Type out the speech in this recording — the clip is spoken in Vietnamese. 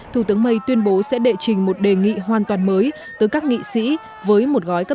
thủ tướng may tuyên bố sẽ đệ trình một đề nghị hoàn toàn mới tới các nghị sĩ với một gói các